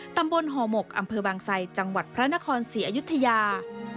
ตำบลห่อหมกอำเภอบางไซจังหวัดพระนครศรีอยุธยา